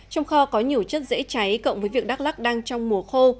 trong kho có nhiều chất dễ cháy cộng với việc đắk lắc đang trong mùa khô